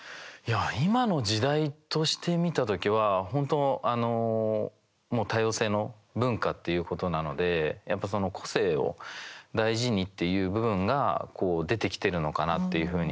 今の時代として見た時は本当、多様性の文化っていうことなのでやっぱ個性を大事にっていう部分が出てきてるのかなっていうふうに。